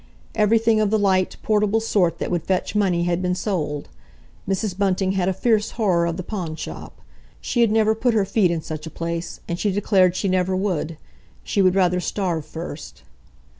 Everything of the light, portable sort that would fetch money had been sold. Mrs. Bunting had a fierce horror of the pawnshop. She had never put her feet in such a place, and she declared she never would—she would rather starve first.